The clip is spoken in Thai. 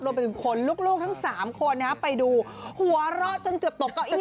เป็นคนลูกทั้ง๓คนไปดูหัวเราะจนเกือบตกเก้าอี้